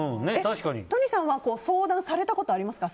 都仁さんは相談されたことありますか？